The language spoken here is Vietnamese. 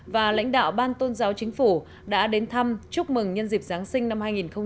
và lãnh đạo ban tôn giáo chính phủ đã đến thăm chúc mừng nhân dịp giáng sinh năm hai nghìn hai mươi